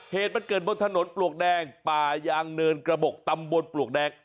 เหตุมันเกิดบนถนนปลวกแดงป่ายางเนินกระบกตำบลปลวกแดง